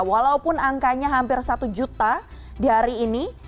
walaupun angkanya hampir satu juta di hari ini